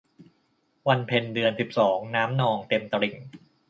วันเพ็ญเดือนสิบสอง น้ำนองเต็มตลิ่ง